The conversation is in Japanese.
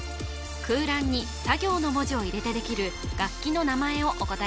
空欄にサ行の文字を入れてできる楽器の名前をお答え